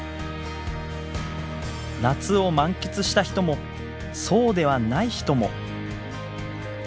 夏を満喫した人もそうではない人も。